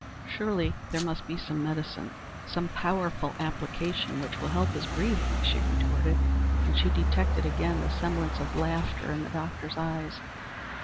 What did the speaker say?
"Surely there must be some medicine some powerful application which will help his breathing," she retorted, and she detected again the semblance of laughter in the doctor's eyes.